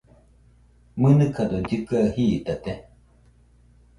¿Mɨnɨkado llɨkɨaɨ jitate?